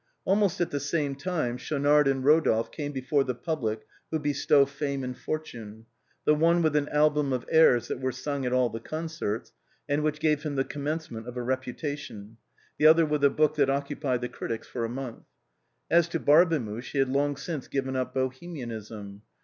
Almost at the same time Schaunard and Rodolphe came before the public who bestow fame and fortune — the one with an album of airs that were sung at all the concerts, and which gave him the commencement of a reputation; the other with a book that occupied the critics for a month. As to Barbemuche he had long since given up Bohemianism.